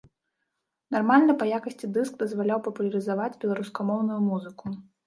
Нармальны па якасці дыск дазваляў папулярызаваць беларускамоўную музыку.